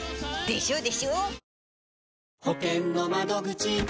でしょー！